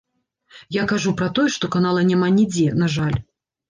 Я кажу пра тое, што канала няма нідзе, на жаль.